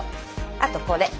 あとこれ。